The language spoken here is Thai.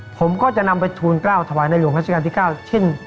ผมก็จะนำไปทวนก้าวทวายในเหลืองรัชกาลที่๙ชิ้น